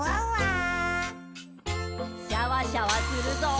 シャワシャワするぞ。